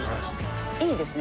いいですね。